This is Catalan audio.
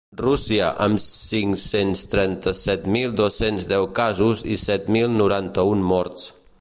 Rússia, amb cinc-cents trenta-set mil dos-cents deu casos i set mil noranta-un morts.